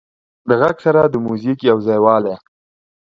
د غږ سره د موزیک یو ځایوالی